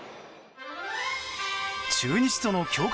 中日との強化